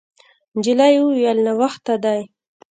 نجلۍ وویل: «ناوخته دی.»